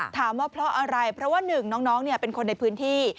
ถามว่าเพราะอะไรเพราะว่าหนึ่งน้องเป็นคนในพื้นที่